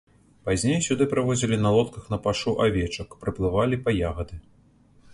Пазней сюды прывозілі на лодках на пашу авечак, прыплывалі па ягады.